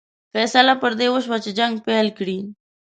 فیصله پر دې وشوه چې جنګ پیل کړي.